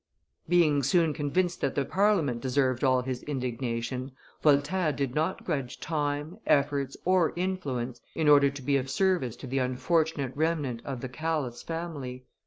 Being soon convinced that the Parliament deserved all his indignation, Voltaire did not grudge time, efforts, or influence in order to be of service to the unfortunate remnant of the Calas family.